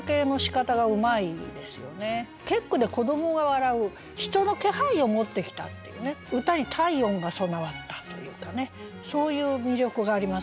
結句で「子供が笑う」人の気配を持ってきたっていうね歌に体温が備わったというかねそういう魅力がありますね。